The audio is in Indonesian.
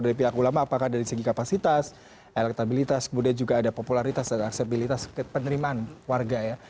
dari pihak ulama apakah dari segi kapasitas elektabilitas kemudian juga ada popularitas dan aksebilitas penerimaan warga ya